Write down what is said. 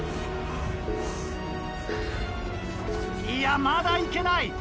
いやまだ行けない！